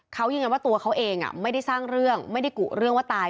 เขายืนยันว่าตัวเขาเองไม่ได้สร้างเรื่องไม่ได้กุเรื่องว่าตาย